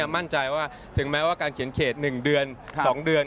มั่นใจว่าถึงแม้ว่าการเขียนเขต๑เดือน๒เดือน